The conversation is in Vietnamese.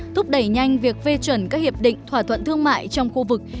thúc đẩy nhanh việc phê chuẩn các hiệp định thỏa thuận thương mại trong khu vực